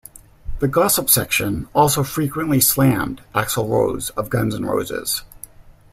The gossip section also frequently slammed Axl Rose of Guns N' Roses.